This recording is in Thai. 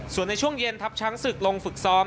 ส่วนในช่วงเย็นทัพช้างศึกลงฝึกซ้อม